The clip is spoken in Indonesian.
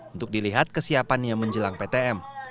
untuk dilihat kesiapannya menjelang ptm